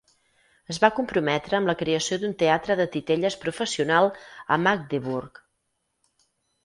Es va comprometre amb la creació d'un teatre de titelles professional a Magdeburg.